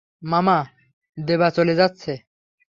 মামা, দেবা চলে যাচ্ছে।